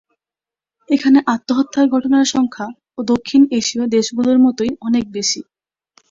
এখানে আত্মহত্যার ঘটনার সংখ্যা দক্ষিণ এশীয় দেশগুলির মতোই অনেক বেশি।